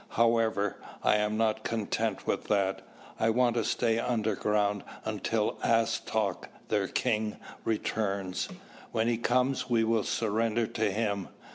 However, I am not content with that. I want to stay underground until Astok, their king, returns. When he comes, we will surrender to him."